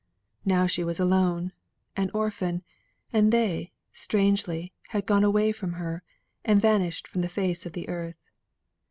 Now she was alone, an orphan, and they, strangely, had gone away from her, and vanished from the face of the earth.